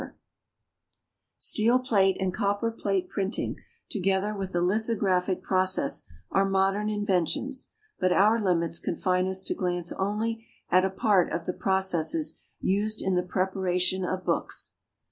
[Illustration: RAISED TYPE FOR THE BLIND] Steel plate and copper plate printing, together with the lithographic process, are modern inventions; but our limits confine us to glance only at a part of the processes used in the preparation of books.